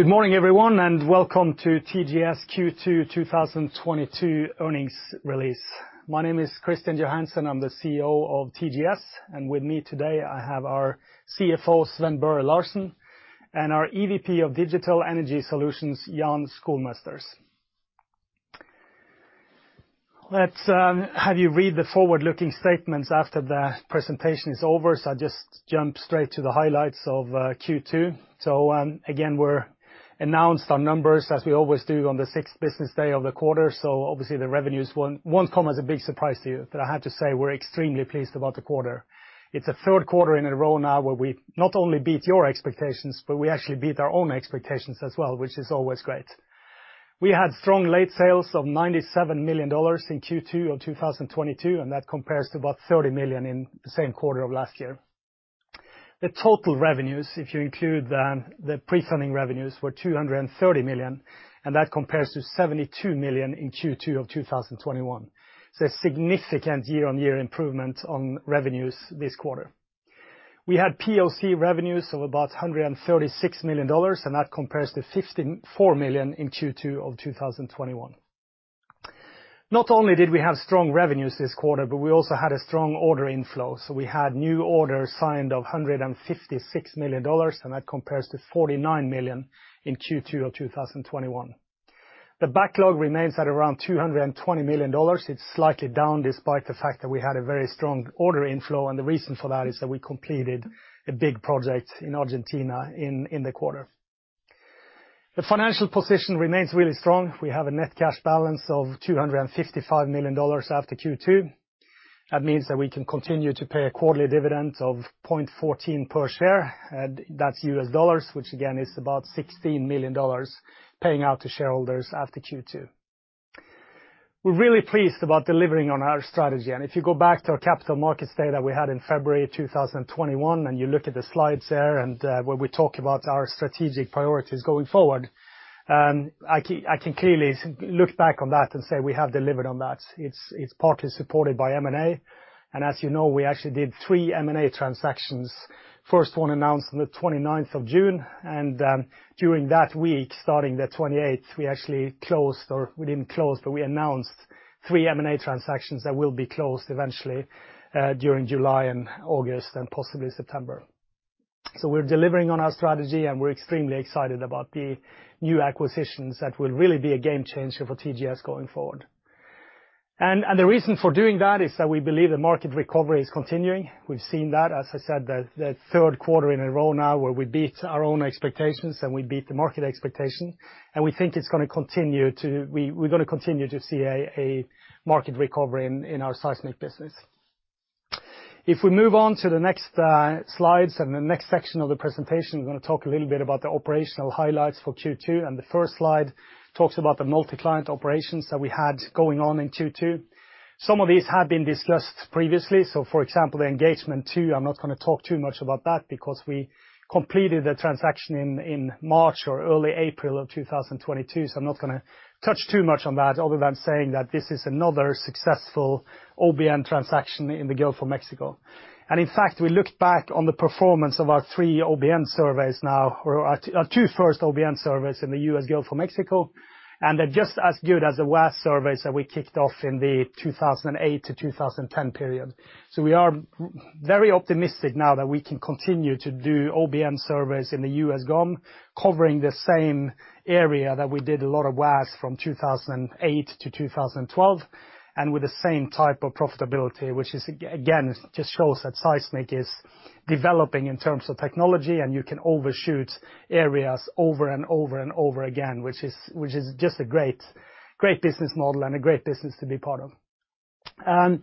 Good morning everyone, and welcome to TGS Q2 2022 earnings release. My name is Kristian Johansen, I'm the CEO of TGS, and with me today, I have our CFO, Sven Børre Larsen, and our EVP of Digital Energy Solutions, Jan Schoolmeesters. Let's have you read the forward-looking statements after the presentation is over. I'll just jump straight to the highlights of Q2. Again, we announced our numbers as we always do on the sixth business day of the quarter. Obviously the revenues won't come as a big surprise to you. I have to say, we're extremely pleased about the quarter. It's the third quarter in a row now where we not only beat your expectations, but we actually beat our own expectations as well, which is always great. We had strong late sales of $97 million in Q2 of 2022, and that compares to about $30 million in the same quarter of last year. The total revenues, if you include the pre-selling revenues, were $230 million, and that compares to $72 million in Q2 of 2021. A significant year-on-year improvement on revenues this quarter. We had POC revenues of about $136 million, and that compares to $54 million in Q2 of 2021. Not only did we have strong revenues this quarter, but we also had a strong order inflow. We had new orders signed of $156 million, and that compares to $49 million in Q2 of 2021. The backlog remains at around $220 million. It's slightly down despite the fact that we had a very strong order inflow, and the reason for that is that we completed a big project in Argentina in the quarter. The financial position remains really strong. We have a net cash balance of $255 million after Q2. That means that we can continue to pay a quarterly dividend of $0.14 per share, and that's U.S. dollars, which again is about $16 million paying out to shareholders after Q2. We're really pleased about delivering on our strategy. If you go back to our capital markets day that we had in February 2021, and you look at the slides there and where we talk about our strategic priorities going forward, I can clearly look back on that and say we have delivered on that. It's partly supported by M&A. As you know, we actually did 3 M&A transactions. First one announced on the 29th of June, and during that week, starting the 28th, we announced 3 M&A transactions that will be closed eventually, during July and August and possibly September. We're delivering on our strategy, and we're extremely excited about the new acquisitions that will really be a game changer for TGS going forward. The reason for doing that is that we believe the market recovery is continuing. We've seen that, as I said, the third quarter in a row now where we beat our own expectations and we beat the market expectation. We think it's gonna continue. We're gonna continue to see a market recovery in our seismic business. If we move on to the next slides and the next section of the presentation, we're gonna talk a little bit about the operational highlights for Q2. The first slide talks about the multi-client operations that we had going on in Q2. Some of these have been discussed previously. For example, the Engagement 2, I'm not gonna talk too much about that because we completed the transaction in March or early April of 2022. I'm not gonna touch too much on that other than saying that this is another successful OBN transaction in the Gulf of Mexico. In fact, we looked back on the performance of our three OBN surveys now, or our two first OBN surveys in the U.S. Gulf of Mexico, and they're just as good as the last surveys that we kicked off in the 2008-2010 period. We are very optimistic now that we can continue to do OBN surveys in the U.S. GoM, covering the same area that we did a lot of work from 2008 to 2012, and with the same type of profitability, which is again, just shows that seismic is developing in terms of technology, and you can overshoot areas over and over and over again, which is just a great business model and a great business to be part of.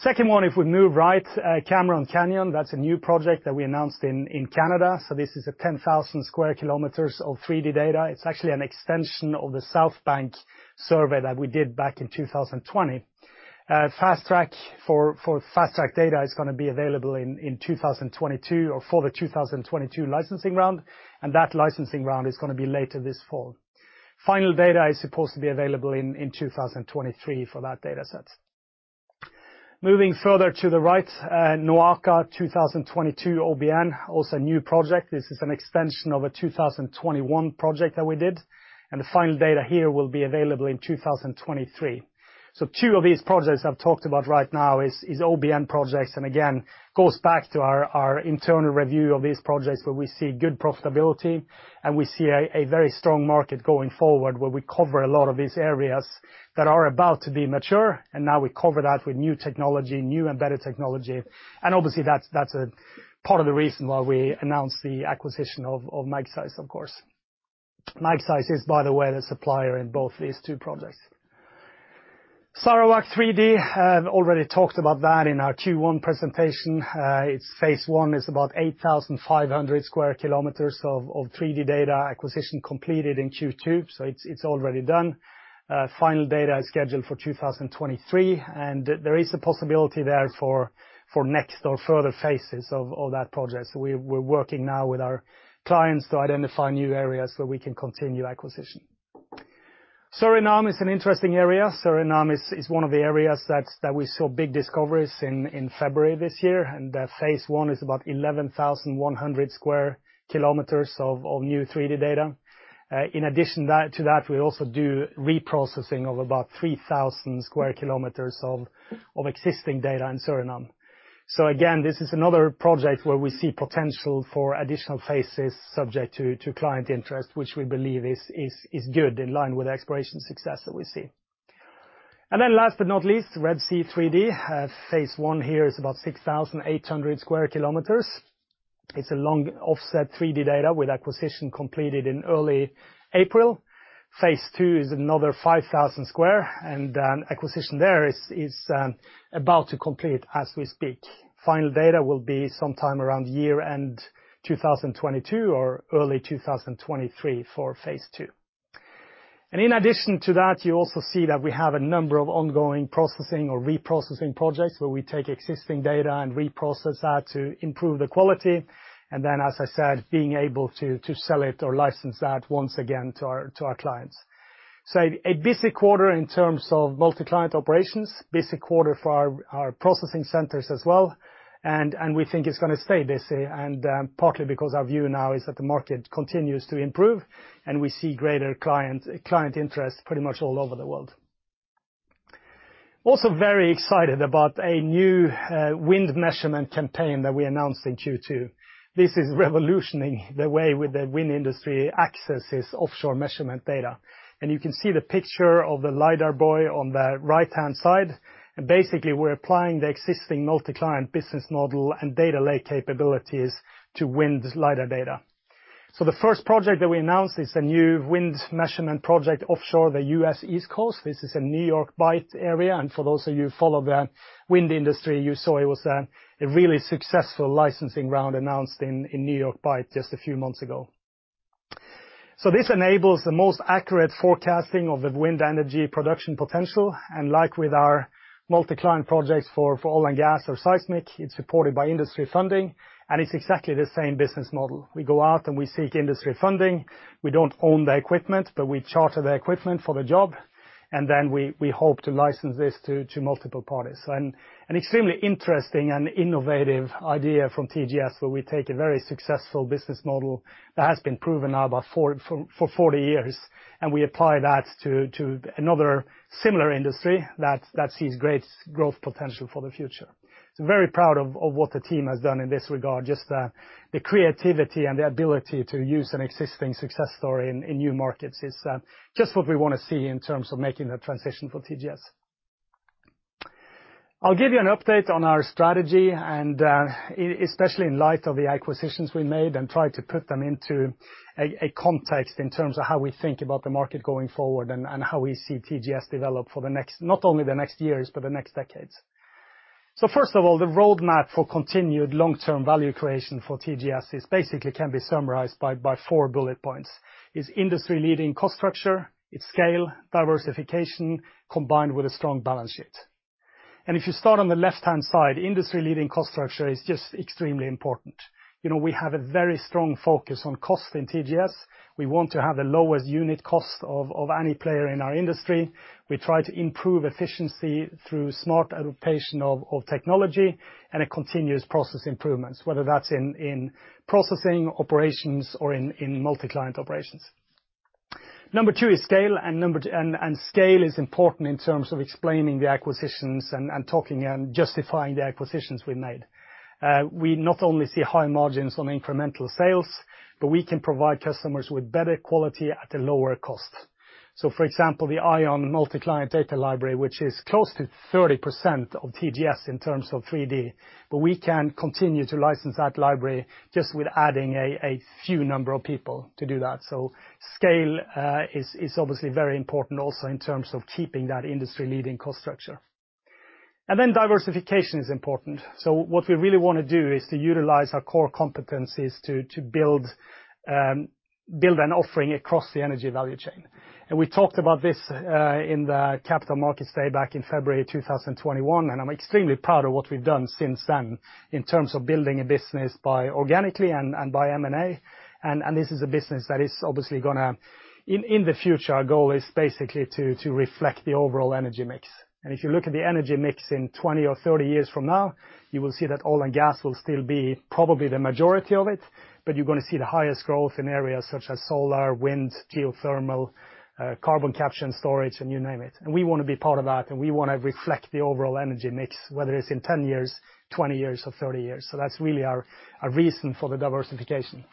Second one, if we move right, Cameron Canyon, that's a new project that we announced in Canada. This is a 10,000 sq km of 3D data. It's actually an extension of the South Bank survey that we did back in 2020. Fast track data is gonna be available in 2022 or for the 2022 licensing round, and that licensing round is gonna be later this fall. Final data is supposed to be available in 2023 for that data set. Moving further to the right, NOAKA 2022 OBN, also a new project. This is an extension of a 2021 project that we did, and the final data here will be available in 2023. Two of these projects I've talked about right now is OBN projects, and again, goes back to our internal review of these projects where we see good profitability and we see a very strong market going forward where we cover a lot of these areas that are about to be mature, and now we cover that with new technology, new and better technology. Obviously, that's a part of the reason why we announced the acquisition of Magseis, of course. Magseis is, by the way, the supplier in both these two projects. Sarawak 3D, I've already talked about that in our Q1 presentation. Its phase one is about 8,500 square kilometers of 3D data acquisition completed in Q2, so it's already done. Final data is scheduled for 2023, and there is a possibility there for next or further phases of that project. We're working now with our clients to identify new areas where we can continue acquisition. Suriname is an interesting area. Suriname is one of the areas that we saw big discoveries in February this year. The phase one is about 11,100 square kilometers of new 3D data. In addition to that, we also do reprocessing of about 3,000 square kilometers of existing data in Suriname. So again, this is another project where we see potential for additional phases subject to client interest, which we believe is good in line with exploration success that we see. Last but not least, Red Sea 3D. Phase one here is about 6,800 square kilometers. It's a long offset 3D data with acquisition completed in early April. Phase two is another 5,000 square kilometers, and acquisition there is about to complete as we speak. Final data will be sometime around year-end 2022 or early 2023 for phase two. In addition to that, you also see that we have a number of ongoing processing or reprocessing projects where we take existing data and reprocess that to improve the quality. Then, as I said, being able to sell it or license that once again to our clients. A busy quarter in terms of multi-client operations, busy quarter for our processing centers as well, and we think it's gonna stay busy. Partly because our view now is that the market continues to improve, and we see greater client interest pretty much all over the world. Also very excited about a new wind measurement campaign that we announced in Q2. This is revolutionizing the way the wind industry accesses offshore measurement data. You can see the picture of the lidar buoy on the right-hand side. Basically, we're applying the existing multi-client business model and data lake capabilities to wind lidar data. The first project that we announced is a new wind measurement project offshore the U.S. East Coast. This is a New York Bight area. For those of you who follow the wind industry, you saw it was a really successful licensing round announced in New York Bight just a few months ago. This enables the most accurate forecasting of the wind energy production potential. Like with our multi-client projects for oil and gas or seismic, it's supported by industry funding, and it's exactly the same business model. We go out and we seek industry funding. We don't own the equipment, but we charter the equipment for the job. We hope to license this to multiple parties. An extremely interesting and innovative idea from TGS, where we take a very successful business model that has been proven now about 40 years, and we apply that to another similar industry that sees great growth potential for the future. Very proud of what the team has done in this regard. Just the creativity and the ability to use an existing success story in new markets is just what we wanna see in terms of making the transition for TGS. I'll give you an update on our strategy, and especially in light of the acquisitions we made and try to put them into a context in terms of how we think about the market going forward and how we see TGS develop not only for the next years, but for the next decades. First of all, the roadmap for continued long-term value creation for TGS is basically can be summarized by four bullet points. It's industry-leading cost structure, it's scale, diversification, combined with a strong balance sheet. If you start on the left-hand side, industry-leading cost structure is just extremely important. You know, we have a very strong focus on cost in TGS. We want to have the lowest unit cost of any player in our industry. We try to improve efficiency through smart adaptation of technology and a continuous process improvements, whether that's in processing operations or in multi-client operations. Number two is scale, and scale is important in terms of explaining the acquisitions and talking and justifying the acquisitions we made. We not only see high margins on incremental sales, but we can provide customers with better quality at a lower cost. For example, the ION multi-client data library, which is close to 30% of TGS in terms of 3D, but we can continue to license that library just with adding a few number of people to do that. Scale is obviously very important also in terms of keeping that industry-leading cost structure. Diversification is important. What we really wanna do is to utilize our core competencies to build an offering across the energy value chain. We talked about this in the Capital Markets Day back in February 2021, and I'm extremely proud of what we've done since then in terms of building a business organically and by M&A. In the future, our goal is basically to reflect the overall energy mix. If you look at the energy mix in 20 or 30 years from now, you will see that oil and gas will still be probably the majority of it, but you're gonna see the highest growth in areas such as solar, wind, geothermal, carbon capture and storage, and you name it. We wanna be part of that, and we wanna reflect the overall energy mix, whether it's in 10 years, 20 years, or 30 years. That's really our reason for the diversification.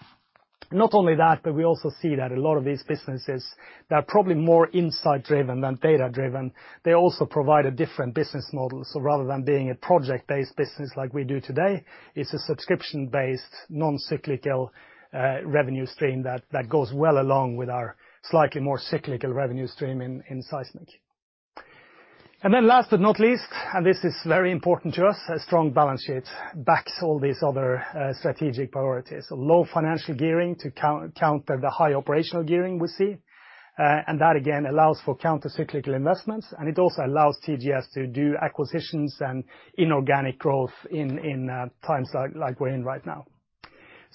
Not only that, but we also see that a lot of these businesses, they're probably more insight-driven than data-driven. They also provide a different business model. Rather than being a project-based business like we do today, it's a subscription-based, non-cyclical revenue stream that goes well along with our slightly more cyclical revenue stream in seismic. Then last but not least, and this is very important to us, a strong balance sheet backs all these other strategic priorities. A low financial gearing to counter the high operational gearing we see. That again allows for counter cyclical investments, and it also allows TGS to do acquisitions and inorganic growth in times like we're in right now.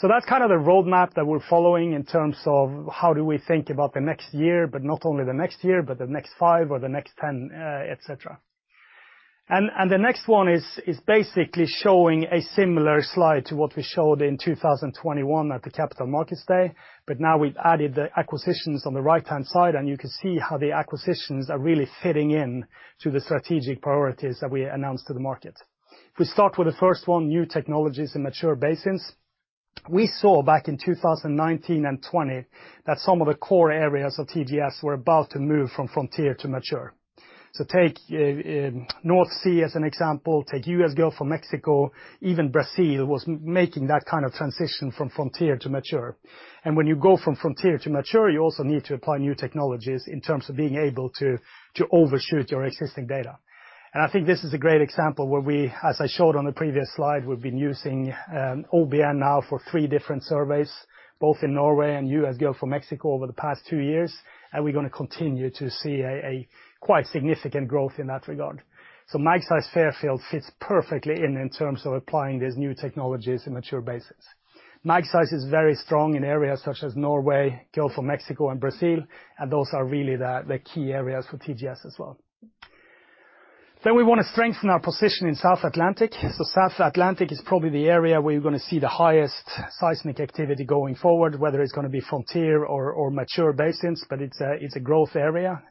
That's kind of the roadmap that we're following in terms of how do we think about the next year, but not only the next year, but the next five or the next ten, etc. The next one is basically showing a similar slide to what we showed in 2021 at the Capital Markets Day. But now we've added the acquisitions on the right-hand side, and you can see how the acquisitions are really fitting into the strategic priorities that we announced to the market. If we start with the first one, new technologies in mature basins. We saw back in 2019 and 2020 that some of the core areas of TGS were about to move from frontier to mature. Take North Sea as an example, U.S. Gulf of Mexico, even Brazil was making that kind of transition from frontier to mature. When you go from frontier to mature, you also need to apply new technologies in terms of being able to overshoot your existing data. I think this is a great example where we, as I showed on the previous slide, we've been using OBN now for three different surveys, both in Norway and U.S. Gulf of Mexico over the past two years. We're gonna continue to see a quite significant growth in that regard. Magseis Fairfield fits perfectly in terms of applying these new technologies in mature basins. Magseis is very strong in areas such as Norway, Gulf of Mexico and Brazil, and those are really the key areas for TGS as well. We want to strengthen our position in South Atlantic. South Atlantic is probably the area where you're gonna see the highest seismic activity going forward, whether it's gonna be frontier or mature basins, but it's a growth area.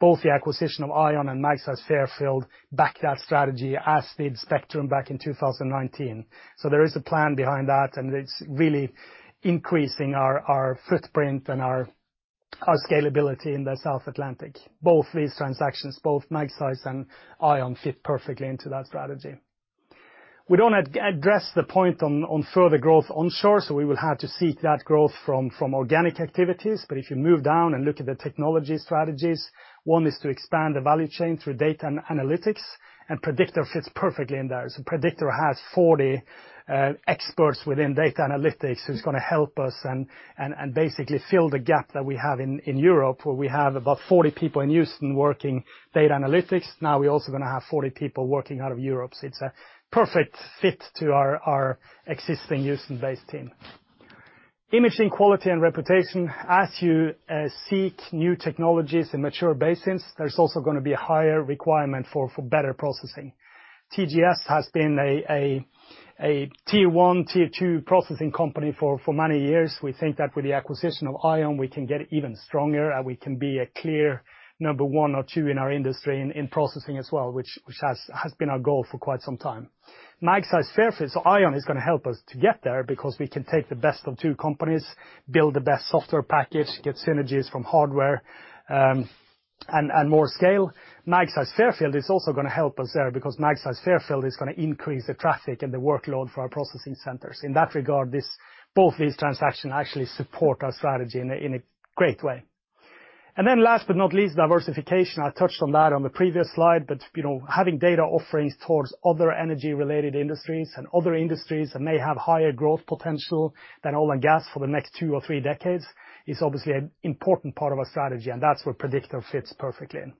Both the acquisition of ION and Magseis Fairfield back that strategy, as did Spectrum back in 2019. There is a plan behind that, and it's really increasing our footprint and our scalability in the South Atlantic. Both these transactions, both Magseis and ION fit perfectly into that strategy. We don't address the point on further growth onshore, so we will have to seek that growth from organic activities. If you move down and look at the technology strategies, one is to expand the value chain through data analytics, and Prediktor fits perfectly in there. Prediktor has 40 experts within data analytics who's gonna help us and basically fill the gap that we have in Europe, where we have about 40 people in Houston working data analytics. Now we're also gonna have 40 people working out of Europe. It's a perfect fit to our existing Houston-based team. Imaging quality and reputation. As you seek new technologies in mature basins, there's also gonna be a higher requirement for better processing. TGS has been a tier one, tier two processing company for many years. We think that with the acquisition of ION, we can get even stronger, and we can be a clear number one or two in our industry in processing as well, which has been our goal for quite some time. Magseis Fairfield. ION is gonna help us to get there because we can take the best of two companies, build the best software package, get synergies from hardware, and more scale. Magseis Fairfield is also gonna help us there because Magseis Fairfield is gonna increase the traffic and the workload for our processing centers. In that regard, both these transactions actually support our strategy in a great way. Last but not least, diversification. I touched on that on the previous slide, but, you know, having data offerings towards other energy-related industries and other industries that may have higher growth potential than oil and gas for the next two or three decades is obviously an important part of our strategy, and that's where Prediktor fits perfectly in.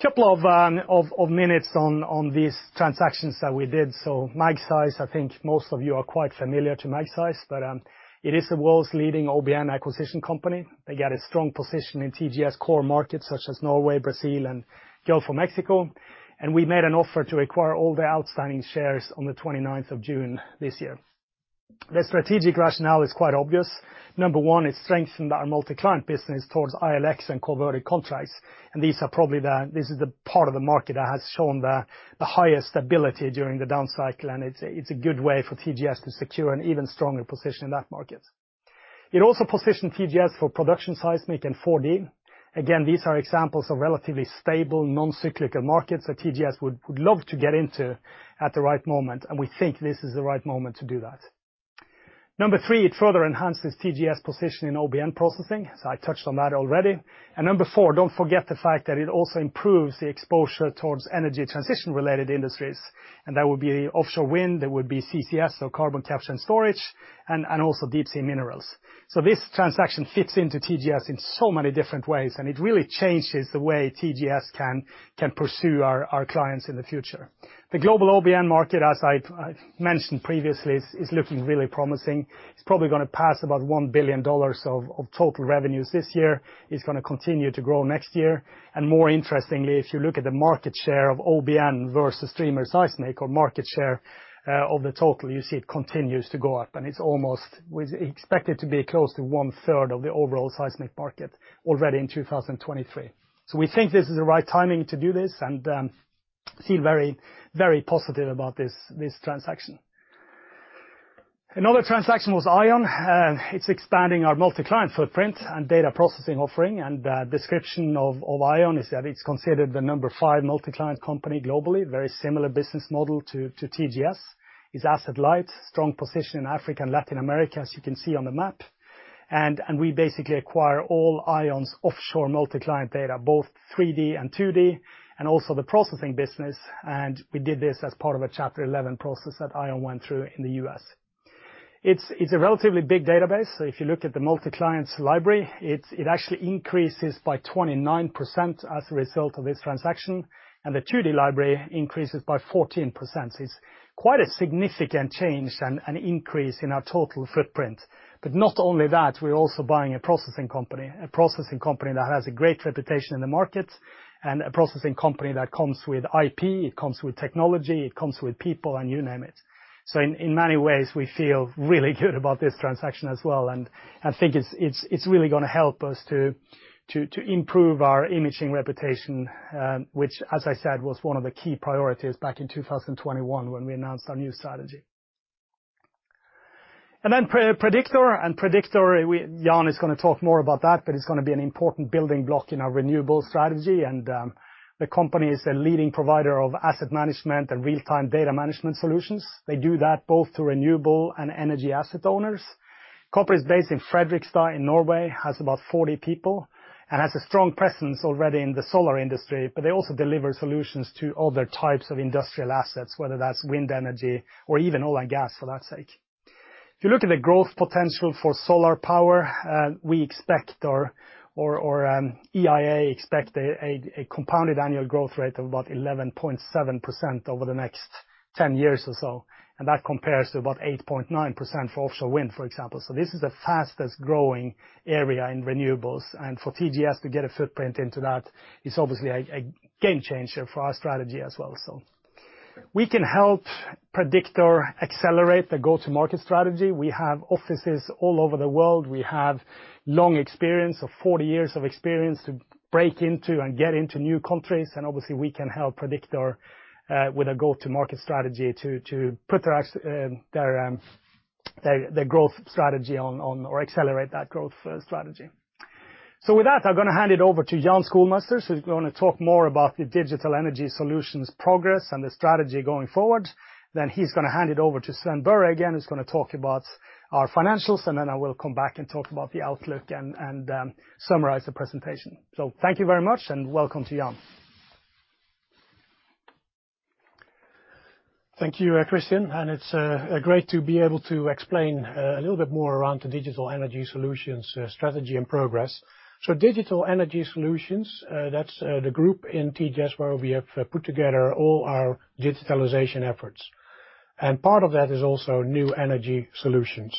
Couple of minutes on these transactions that we did. Magseis, I think most of you are quite familiar to Magseis, but it is the world's leading OBN acquisition company. They got a strong position in TGS's core markets such as Norway, Brazil, and Gulf of Mexico. We made an offer to acquire all the outstanding shares on the 29th of June this year. The strategic rationale is quite obvious. Number one, it strengthened our multi-client business towards ILX and converted contracts. This is the part of the market that has shown the highest stability during the down cycle, and it's a good way for TGS to secure an even stronger position in that market. It also positioned TGS for production seismic and 4D. Again, these are examples of relatively stable, non-cyclical markets that TGS would love to get into at the right moment, and we think this is the right moment to do that. Number three, it further enhances TGS's position in OBN processing, so I touched on that already. Number four, don't forget the fact that it also improves the exposure towards energy transition-related industries, and that would be offshore wind, that would be CCS, so carbon capture and storage, and also deep sea minerals. This transaction fits into TGS in so many different ways, and it really changes the way TGS can pursue our clients in the future. The global OBN market, as I mentioned previously, is looking really promising. It's probably gonna pass about $1 billion of total revenues this year. It's gonna continue to grow next year. More interestingly, if you look at the market share of OBN versus streamer seismic or market share of the total, you see it continues to go up. It's almost. We expect it to be close to 1/3 of the overall seismic market already in 2023. We think this is the right timing to do this and feel very, very positive about this transaction. Another transaction was ION. It's expanding our multi-client footprint and data processing offering, and the description of ION is that it's considered the number five multi-client company globally, very similar business model to TGS. It's asset light, strong position in Africa and Latin America, as you can see on the map. We basically acquire all ION's offshore multi-client data, both 3D and 2D, and also the processing business. We did this as part of a Chapter 11 process that ION went through in the U.S. It's a relatively big database. If you look at the Multi-Client Library, it actually increases by 29% as a result of this transaction, and the 2D library increases by 14%. It's quite a significant change and increase in our total footprint. Not only that, we're also buying a processing company. A processing company that has a great reputation in the market, and a processing company that comes with IP, it comes with technology, it comes with people, and you name it. In many ways, we feel really good about this transaction as well. I think it's really gonna help us to improve our imaging reputation, which as I said, was one of the key priorities back in 2021 when we announced our new strategy. Then Prediktor. Prediktor, Jan is gonna talk more about that, but it's gonna be an important building block in our renewables strategy. The company is a leading provider of asset management and real-time data management solutions. They do that both to renewable and energy asset owners. The company is based in Fredrikstad in Norway, has about 40 people, and has a strong presence already in the solar industry, but they also deliver solutions to other types of industrial assets, whether that's wind energy or even oil and gas, for that matter. If you look at the growth potential for solar power, the EIA expects a compounded annual growth rate of about 11.7% over the next 10 years or so. That compares to about 8.9% for offshore wind, for example. This is the fastest-growing area in renewables. For TGS to get a footprint into that is obviously a game changer for our strategy as well. We can help Prediktor accelerate the go-to-market strategy. We have offices all over the world. We have long experience of 40 years of experience to break into and get into new countries, and obviously, we can help Prediktor with a go-to-market strategy to put their growth strategy on or accelerate that growth strategy. With that, I'm gonna hand it over to Jan Schoolmeesters, who's gonna talk more about the Digital Energy Solutions progress and the strategy going forward. Then he's gonna hand it over to Sven Børre Larsen again, who's gonna talk about our financials, and then I will come back and talk about the outlook and summarize the presentation. Thank you very much, and welcome to Jan. Thank you, Kristian, and it's great to be able to explain a little bit more around the Digital Energy Solutions strategy and progress. Digital Energy Solutions, that's the group in TGS where we have put together all our digitalization efforts. Part of that is also New Energy Solutions.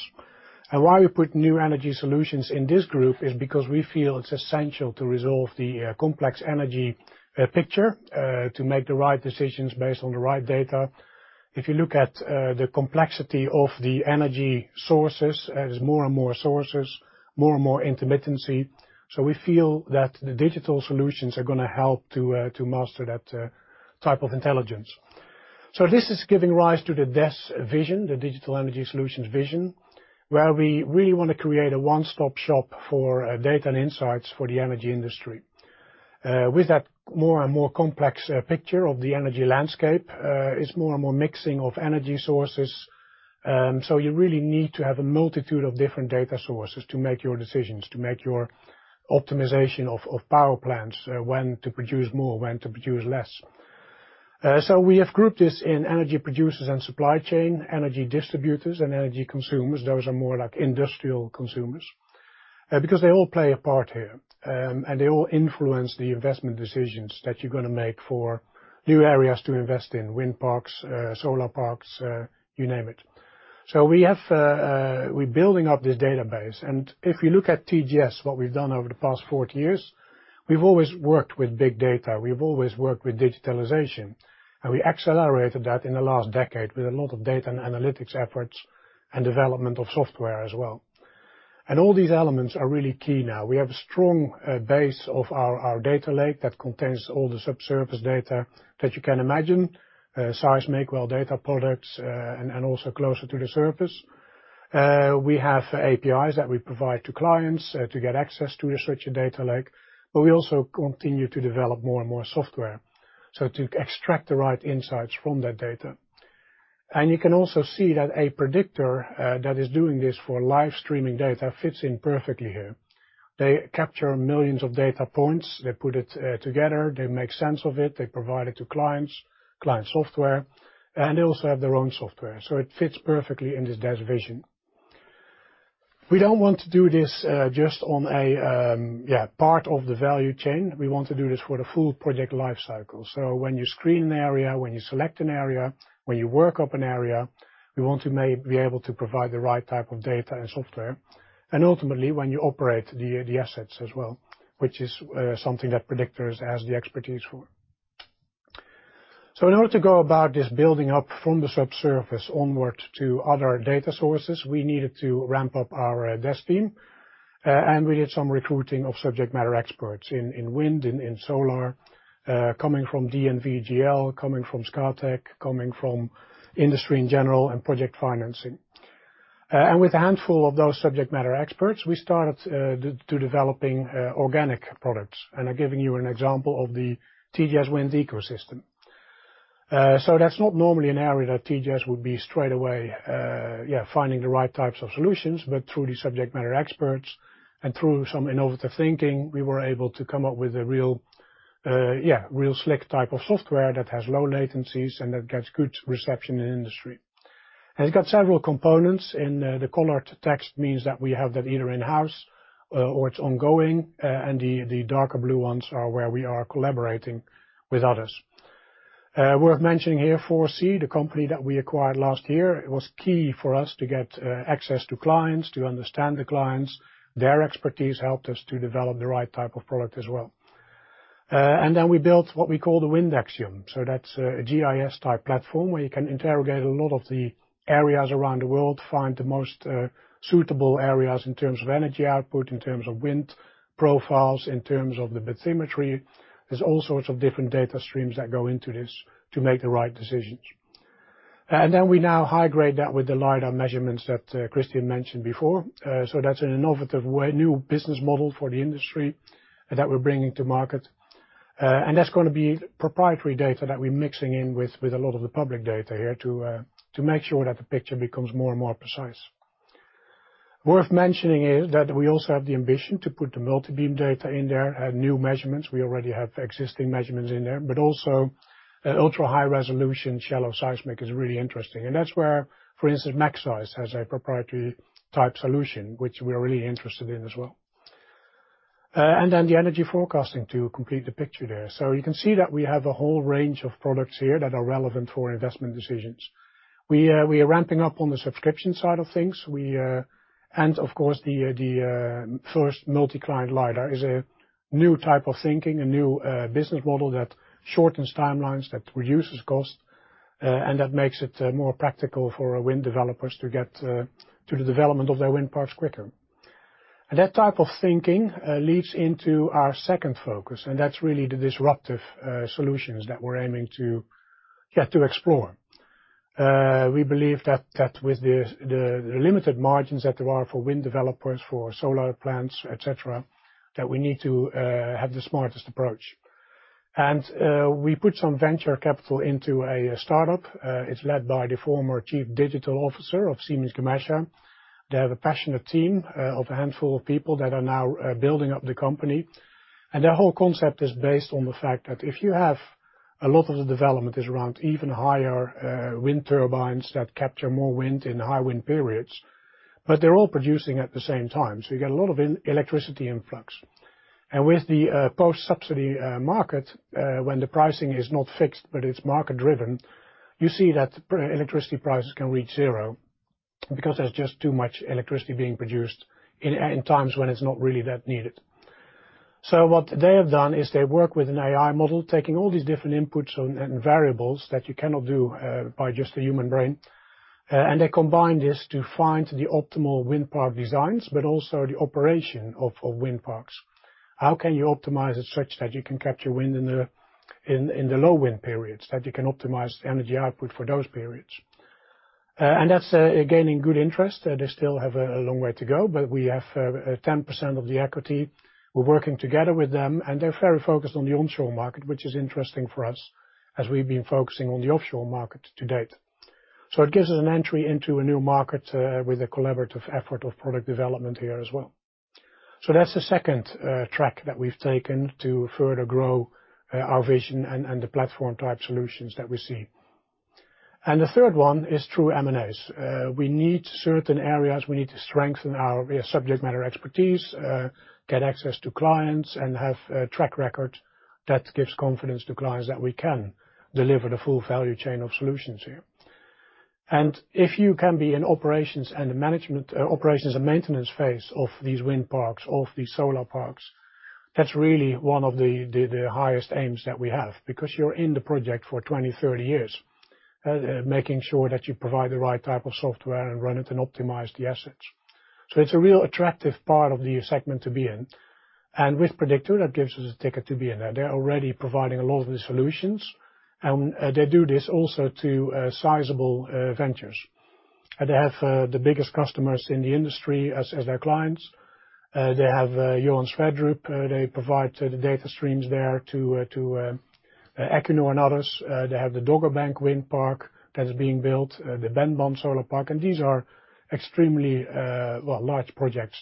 Why we put New Energy Solutions in this group is because we feel it's essential to resolve the complex energy picture to make the right decisions based on the right data. If you look at the complexity of the energy sources, there's more and more sources, more and more intermittency. We feel that the digital solutions are gonna help to master that type of intelligence. This is giving rise to the DES vision, the Digital Energy Solutions vision, where we really wanna create a one-stop shop for data and insights for the energy industry. With that more and more complex picture of the energy landscape, it's more and more mixing of energy sources. You really need to have a multitude of different data sources to make your decisions, to make your optimization of power plants, when to produce more, when to produce less. We have grouped this in energy producers and supply chain, energy distributors and energy consumers. Those are more like industrial consumers because they all play a part here. They all influence the investment decisions that you're gonna make for new areas to invest in, wind parks, solar parks, you name it. We're building up this database, and if you look at TGS, what we've done over the past 40 years, we've always worked with big data. We've always worked with digitalization, and we accelerated that in the last decade with a lot of data and analytics efforts and development of software as well. All these elements are really key now. We have a strong base of our data lake that contains all the subsurface data that you can imagine, seismic well data products, and also closer to the surface. We have APIs that we provide to clients to get access to the seismic data lake, but we also continue to develop more and more software to extract the right insights from that data. You can also see that Prediktor that is doing this for live streaming data fits in perfectly here. They capture millions of data points. They put it together, they make sense of it, they provide it to clients, client software, and they also have their own software. It fits perfectly in this DES vision. We don't want to do this just on a part of the value chain. We want to do this for the full project life cycle. When you screen an area, when you select an area, when you work up an area, we want to be able to provide the right type of data and software, and ultimately, when you operate the assets as well, which is something that Prediktor has the expertise for. In order to go about this building up from the subsurface onward to other data sources, we needed to ramp up our DES team. We did some recruiting of subject matter experts in wind and in solar, coming from DNV, coming from Scatec, coming from industry in general and project financing. With a handful of those subject matter experts, we started developing organic products. I'm giving you an example of the TGS wind ecosystem. That's not normally an area that TGS would be straightaway finding the right types of solutions, but through the subject matter experts and through some innovative thinking, we were able to come up with a real slick type of software that has low latencies and that gets good reception in industry. It's got several components, and the colored text means that we have that either in-house or it's ongoing, and the darker blue ones are where we are collaborating with others. Worth mentioning here 4C, the company that we acquired last year, it was key for us to get access to clients, to understand the clients. Their expertise helped us to develop the right type of product as well. Then we built what we call the Wind AXIOM. That's a GIS-type platform where you can interrogate a lot of the areas around the world, find the most suitable areas in terms of energy output, in terms of wind profiles, in terms of the bathymetry. There's all sorts of different data streams that go into this to make the right decisions. We now high-grade that with the LiDAR measurements that Kristian mentioned before. That's an innovative way, new business model for the industry that we're bringing to market. That's gonna be proprietary data that we're mixing in with a lot of the public data here to make sure that the picture becomes more and more precise. Worth mentioning is that we also have the ambition to put the multibeam data in there, new measurements. We already have existing measurements in there, but also, ultra-high resolution shallow seismic is really interesting. That's where, for instance, Magseis has a proprietary-type solution which we are really interested in as well. The energy forecasting completes the picture there. You can see that we have a whole range of products here that are relevant for investment decisions. We are ramping up on the subscription side of things. Of course, the first multi-client lidar is a new type of thinking, a new business model that shortens timelines, that reduces cost, and that makes it more practical for our wind developers to get to the development of their wind parks quicker. That type of thinking leads into our second focus, and that's really the disruptive solutions that we're aiming to explore. We believe that with the limited margins that there are for wind developers, for solar plants, et cetera, that we need to have the smartest approach. We put some venture capital into a startup. It's led by the former chief digital officer of Siemens Gamesa. They have a passionate team of a handful of people that are now building up the company. Their whole concept is based on the fact that if you have a lot of the development is around even higher wind turbines that capture more wind in high wind periods, but they're all producing at the same time, so you get a lot of electricity influx. With the post-subsidy market, when the pricing is not fixed but it's market-driven, you see that electricity prices can reach zero because there's just too much electricity being produced in times when it's not really that needed. What they have done is they work with an AI model, taking all these different inputs and variables that you cannot do by just the human brain, and they combine this to find the optimal wind park designs, but also the operation of wind parks. How can you optimize it such that you can capture wind in the low wind periods, that you can optimize energy output for those periods? That's gaining good interest. They still have a long way to go, but we have 10% of the equity. We're working together with them, and they're very focused on the onshore market, which is interesting for us, as we've been focusing on the offshore market to date. It gives us an entry into a new market, with a collaborative effort of product development here as well. That's the second track that we've taken to further grow our vision and the platform-type solutions that we see. The third one is through M&As. We need certain areas. We need to strengthen our subject matter expertise, get access to clients, and have a track record that gives confidence to clients that we can deliver the full value chain of solutions here. If you can be in operations and maintenance phase of these wind parks, of these solar parks, that's really one of the highest aims that we have, because you're in the project for 20, 30 years, making sure that you provide the right type of software and run it and optimize the assets. It's a real attractive part of the segment to be in. With Prediktor, that gives us a ticket to be in there. They're already providing a lot of the solutions, and they do this also to sizable ventures. They have the biggest customers in the industry as their clients. They have Johan Sverdrup. They provide the data streams there to Equinor and others. They have the Dogger Bank wind park that is being built, the Benbulben solar park. These are extremely large projects,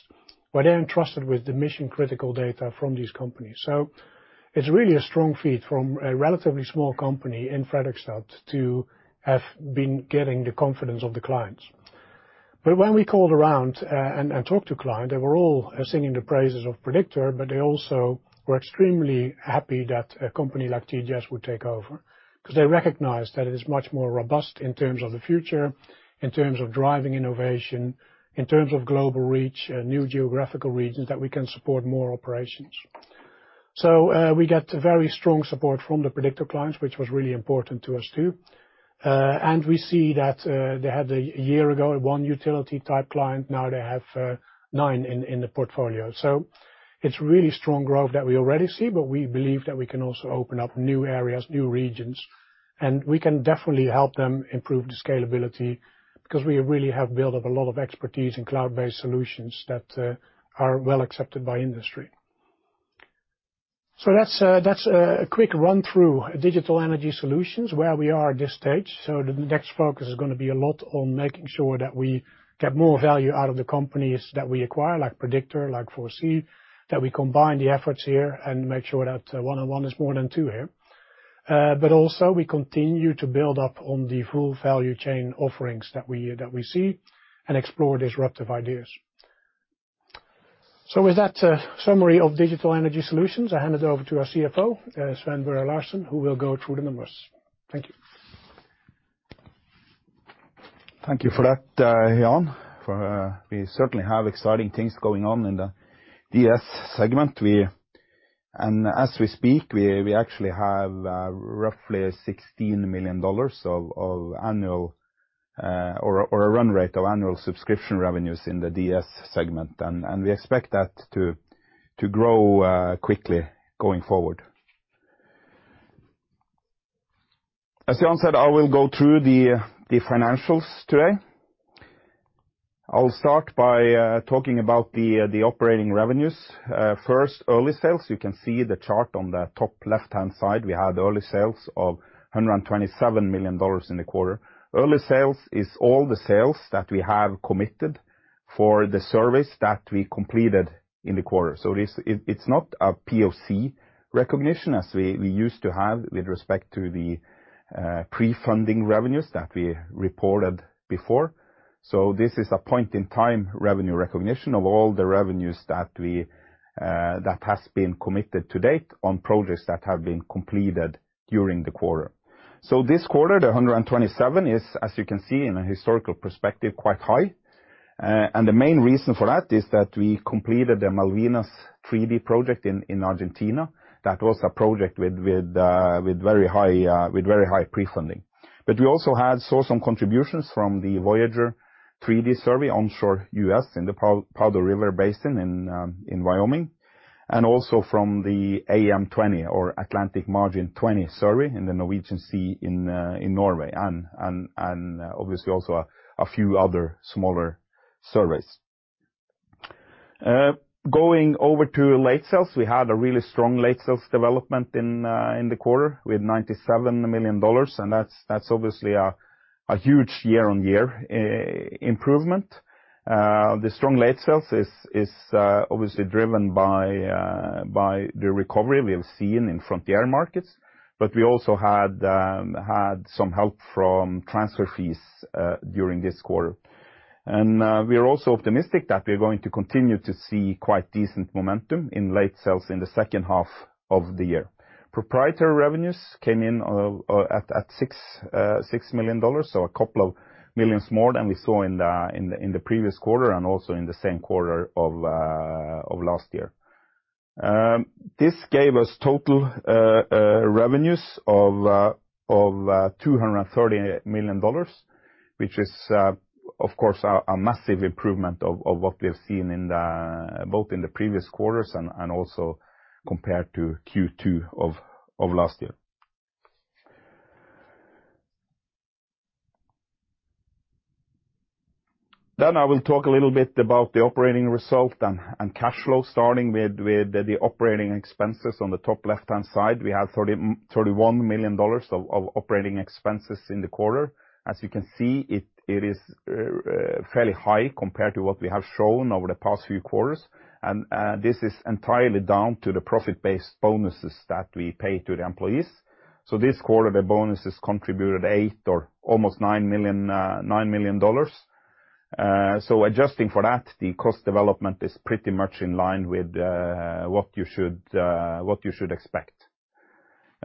but they're entrusted with the mission-critical data from these companies. It's really a strong feat from a relatively small company in Fredrikstad to have been getting the confidence of the clients. When we called around and talked to clients, they were all singing the praises of Prediktor, but they also were extremely happy that a company like TGS would take over, because they recognized that it is much more robust in terms of the future, in terms of driving innovation, in terms of global reach, new geographical regions that we can support more operations. We get very strong support from the Prediktor clients, which was really important to us too. We see that they had a year ago one utility-type client. Now they have nine in the portfolio. It's really strong growth that we already see, but we believe that we can also open up new areas, new regions, and we can definitely help them improve the scalability, because we really have built up a lot of expertise in cloud-based solutions that are well accepted by industry. That's a quick run-through of Digital Energy Solutions, where we are at this stage. The next focus is gonna be a lot on making sure that we get more value out of the companies that we acquire, like Prediktor, like 4C Offshore, that we combine the efforts here and make sure that one and one is more than two here. Also we continue to build up on the full value chain offerings that we see and explore disruptive ideas. With that, summary of Digital Energy Solutions, I hand it over to our CFO, Sven Børre Larsen, who will go through the numbers. Thank you. Thank you for that, Jan. We certainly have exciting things going on in the DS segment. As we speak, we actually have roughly $16 million of annual or a run rate of annual subscription revenues in the DS segment. We expect that to grow quickly going forward. As Jan said, I will go through the financials today. I'll start by talking about the operating revenues. First, early sales. You can see the chart on the top left-hand side. We had early sales of $127 million in the quarter. Early sales is all the sales that we have committed for the service that we completed in the quarter. So this. It's not a POC recognition as we used to have with respect to the pre-funding revenues that we reported before. This is a point-in-time revenue recognition of all the revenues that has been committed to-date on projects that have been completed during the quarter. This quarter, the $127 is, as you can see in a historical perspective, quite high. The main reason for that is that we completed the Malvinas 3D project in Argentina. That was a project with very high pre-funding. We also saw some contributions from the Voyager 3D survey onshore U.S. in the Powder River Basin in Wyoming. Also from the AM20 or Atlantic Margin 20 survey in the Norwegian Sea in Norway. Obviously also a few other smaller surveys. Going over to late sales. We had a really strong late sales development in the quarter with $97 million, and that's obviously a huge year-on-year improvement. The strong late sales is obviously driven by the recovery we have seen in frontier markets. We also had some help from transfer fees during this quarter. We are also optimistic that we're going to continue to see quite decent momentum in late sales in the second half of the year. Proprietary revenues came in at $6 million, so a couple of millions more than we saw in the previous quarter and also in the same quarter of last year. This gave us total revenues of $230 million, which is, of course, a massive improvement of what we have seen in both in the previous quarters and also compared to Q2 of last year. I will talk a little bit about the operating result and cash flow, starting with the operating expenses on the top left-hand side. We have $31 million of operating expenses in the quarter. As you can see, it is fairly high compared to what we have shown over the past few quarters. This is entirely down to the profit-based bonuses that we pay to the employees. This quarter, the bonuses contributed eight or almost $9 million. Adjusting for that, the cost development is pretty much in line with what you should expect.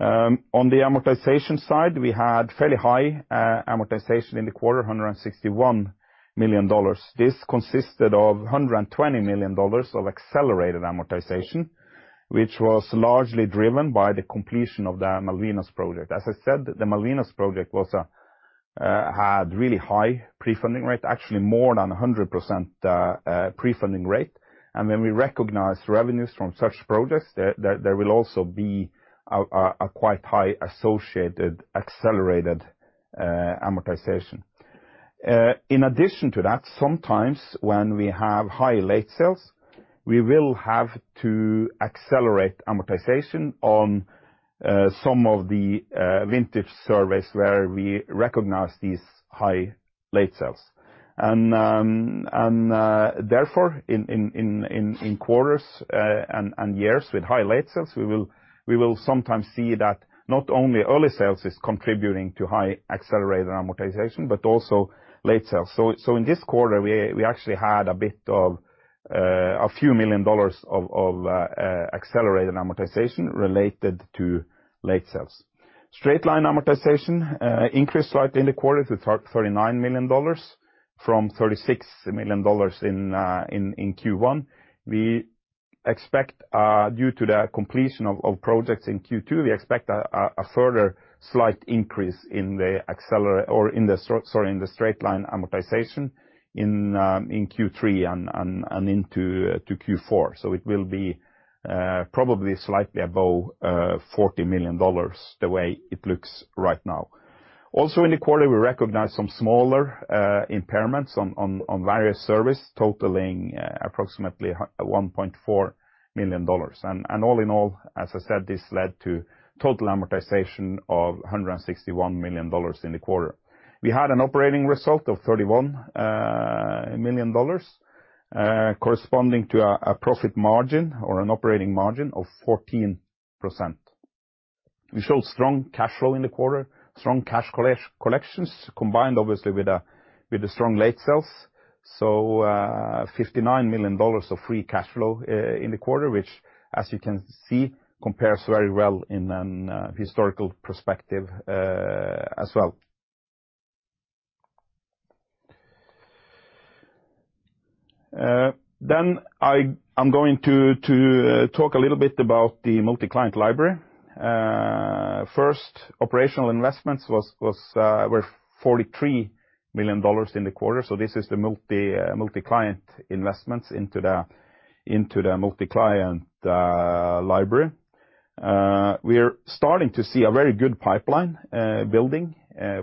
On the amortization side, we had fairly high amortization in the quarter, $161 million. This consisted of $120 million of accelerated amortization, which was largely driven by the completion of the Malvinas project. As I said, the Malvinas project had really high pre-funding rate, actually more than 100%. When we recognize revenues from such projects, there will also be quite high associated accelerated amortization. In addition to that, sometimes when we have high late sales, we will have to accelerate amortization on some of the vintage surveys where we recognize these high late sales. Therefore, in quarters and years with high late sales, we will sometimes see that not only early sales is contributing to high accelerated amortization, but also late sales. In this quarter, we actually had a bit of a few million dollars of accelerated amortization related to late sales. Straight-line amortization increased slightly in the quarter to $39 million from $36 million in Q1. We expect due to the completion of projects in Q2, a further slight increase in the straight-line amortization in Q3 and into Q4. It will be probably slightly above $40 million the way it looks right now. Also in the quarter, we recognized some smaller impairments on various surveys, totaling approximately $1.4 million. All in all, as I said, this led to total amortization of $161 million in the quarter. We had an operating result of $31 million, corresponding to a profit margin or an operating margin of 14%. We showed strong cash flow in the quarter, strong cash collections, combined obviously with the strong late sales. $59 million of free cash flow in the quarter, which as you can see, compares very well in a historical perspective, as well. I'm going to talk a little bit about the Multi-Client Library. First operational investments were $43 million in the quarter. This is the Multi-Client investments into the Multi-Client Library. We are starting to see a very good pipeline building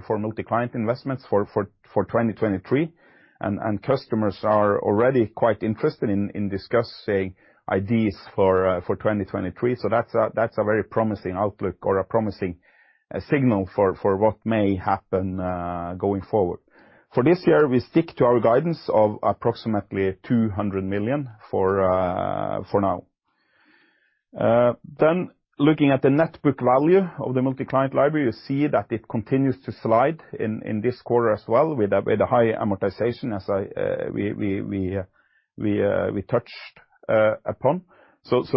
for Multi-Client investments for 2023, and customers are already quite interested in discussing ideas for 2023. That's a very promising outlook or a promising signal for what may happen going forward. For this year, we stick to our guidance of approximately $200 million for now. Looking at the net book value of the Multi-Client Library, you see that it continues to slide in this quarter as well with a high amortization as we touched upon.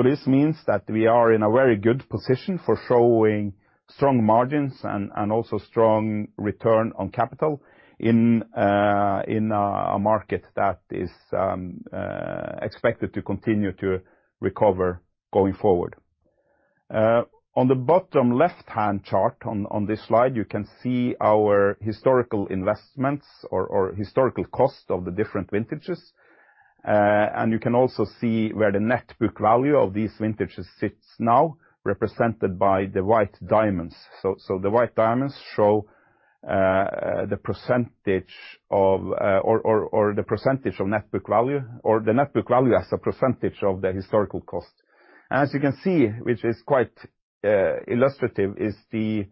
This means that we are in a very good position for showing strong margins and also strong return on capital in a market that is expected to continue to recover going forward. On the bottom left-hand chart on this slide, you can see our historical investments or historical cost of the different vintages. You can also see where the net book value of these vintages sits now, represented by the white diamonds. The white diamonds show the percentage of net book value or the net book value as a percentage of the historical cost. As you can see, which is quite illustrative, is the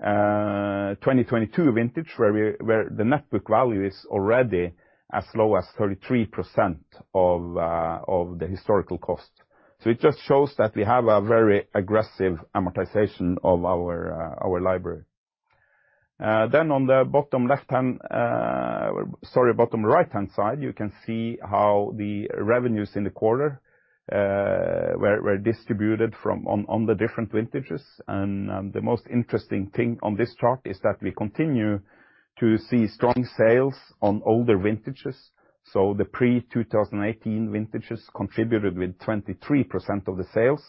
2022 vintage where the net book value is already as low as 33% of the historical cost. It just shows that we have a very aggressive amortization of our library. Then on the bottom right-hand side, you can see how the revenues in the quarter were distributed from the different vintages. The most interesting thing on this chart is that we continue to see strong sales on older vintages. The pre-2018 vintages contributed with 23% of the sales.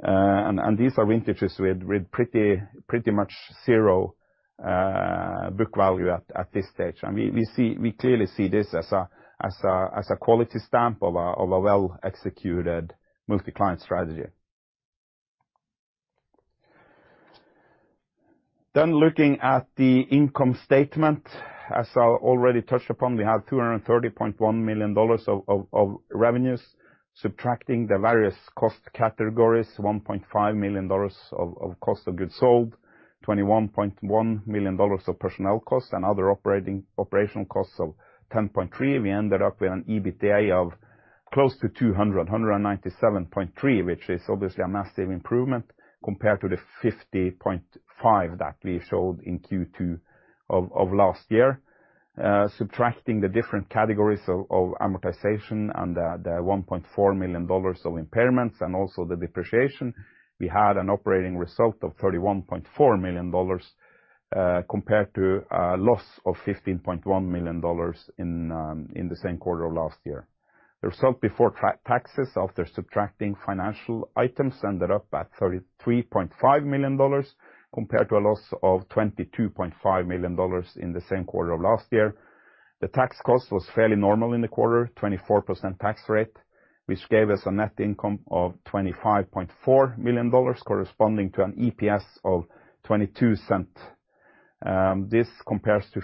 And these are vintages with pretty much zero book value at this stage. We clearly see this as a quality stamp of a well-executed multi-client strategy. Looking at the income statement, as I already touched upon, we have $230.1 million of revenues, subtracting the various cost categories, $1.5 million of cost of goods sold, $21.1 million of personnel costs and other operational costs of $10.3 million. We ended up with an EBITDA of close to $297.3 million, which is obviously a massive improvement compared to the $50.5 million that we showed in Q2 of last year. Subtracting the different categories of amortization and the $1.4 million of impairments and also the depreciation, we had an operating result of $31.4 million, compared to a loss of $15.1 million in the same quarter of last year. The result before taxes, after subtracting financial items, ended up at $33.5 million compared to a loss of $22.5 million in the same quarter of last year. The tax cost was fairly normal in the quarter, 24% tax rate, which gave us a net income of $25.4 million corresponding to an EPS of $0.22. This compares to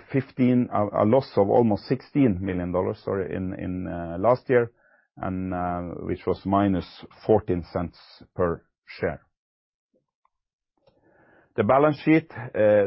a loss of almost $16 million in last year, which was -$0.14 per share. The balance sheet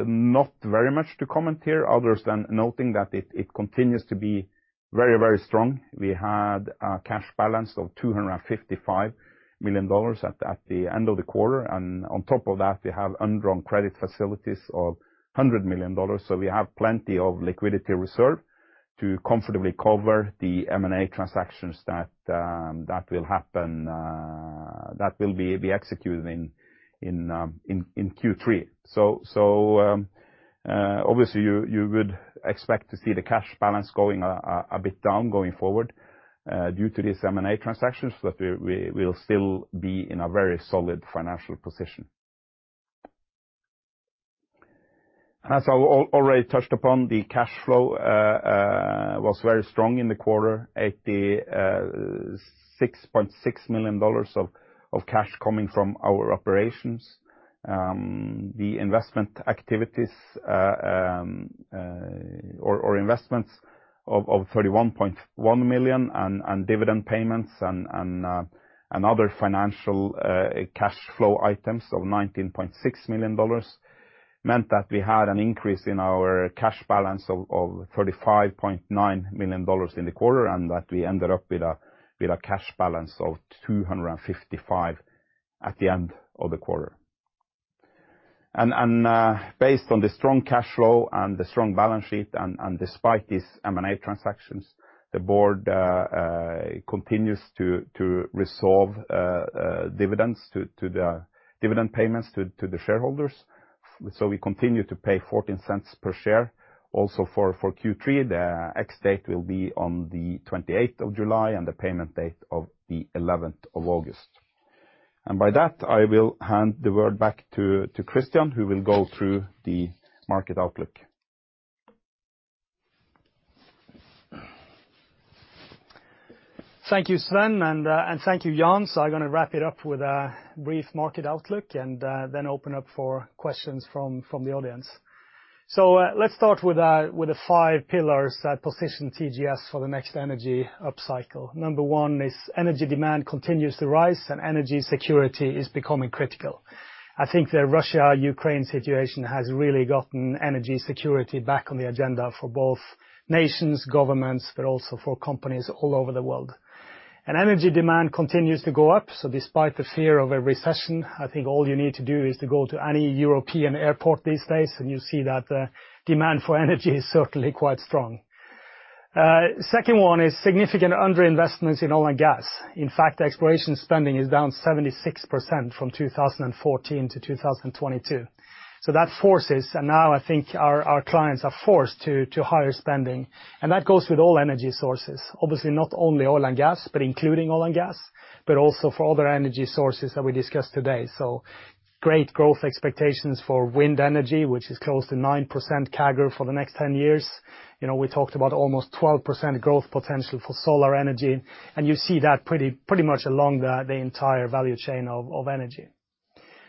not very much to comment here other than noting that it continues to be very strong. We had a cash balance of $255 million at the end of the quarter, and on top of that, we have undrawn credit facilities of $100 million. We have plenty of liquidity reserve to comfortably cover the M&A transactions that will be executed in Q3. Obviously you would expect to see the cash balance going a bit down going forward due to these M&A transactions, but we will still be in a very solid financial position. As I already touched upon, the cash flow was very strong in the quarter, $86.6 million of cash coming from our operations. The investment activities or investments of $31.1 million and dividend payments and other financial cash flow items of $19.6 million meant that we had an increase in our cash balance of $35.9 million in the quarter, and that we ended up with a cash balance of $255 million at the end of the quarter. Based on the strong cash flow and the strong balance sheet and despite these M&A transactions, the board continues to resolve dividend payments to the shareholders. We continue to pay $0.14 per share. Also for Q3, the ex-date will be on the 28 of July, and the payment date of the eleventh of August. By that, I will hand the word back to Kristian, who will go through the market outlook. Thank you, Sven, and thank you, Jan. I'm gonna wrap it up with a brief market outlook and then open up for questions from the audience. Let's start with the five pillars that position TGS for the next energy upcycle. Number one is energy demand continues to rise and energy security is becoming critical. I think the Russia-Ukraine situation has really gotten energy security back on the agenda for both nations, governments, but also for companies all over the world. Energy demand continues to go up, so despite the fear of a recession, I think all you need to do is to go to any European airport these days, and you see that demand for energy is certainly quite strong. Second one is significant underinvestments in oil and gas. In fact, exploration spending is down 76% from 2014 to 2022. That forces, and now I think our clients are forced to higher spending. That goes with all energy sources. Obviously, not only oil and gas, but including oil and gas, but also for other energy sources that we discussed today. Great growth expectations for wind energy, which is close to 9% CAGR for the next 10 years. You know, we talked about almost 12% growth potential for solar energy, and you see that pretty much along the entire value chain of energy.